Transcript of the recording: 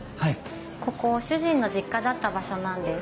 ここ主人の実家だった場所なんです。